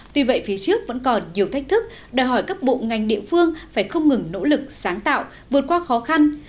tuy vậy phía trước vẫn còn nhiều thách thức đòi hỏi các bộ ngành địa phương phải không ngừng nỗ lực sáng tạo vượt qua khó khăn